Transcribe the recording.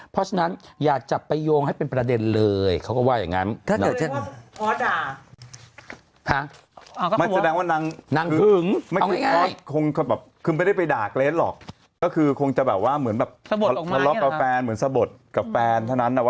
เพราะฉะนั้นอย่าจับไปโยงให้เป็นประเด็นเลยเขาก็ว่าอย่างนั้น